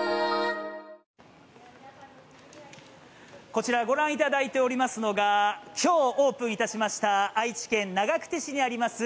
こちら、ご覧いただいておりますのが今日オープンいたしました愛知県長久手市にあります